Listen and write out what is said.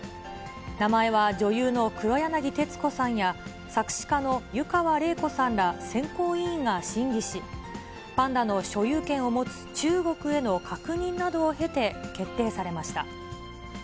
名前は女優の黒柳徹子さんや、作詞家の湯川れい子さんら選考委員が審議し、パンダの所有権を持つ中国への確認などを経て決定されました。